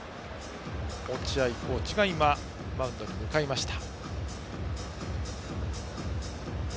落合コーチがマウンドに向かいました。